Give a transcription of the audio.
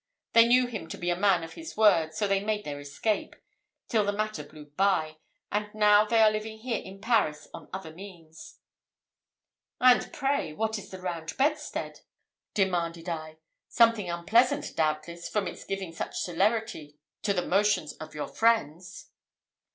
They knew him to be a man of his word, so they made their escape, till the matter blew by, and now they are living here in Paris on their means." "And pray what is the round bedstead?" demanded I; "something unpleasant, doubtless, from its giving such celerity to the motions of your friends?"